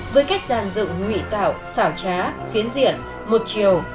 với cách giàn dựng nguy tạo xảo trá phiến diện một chiều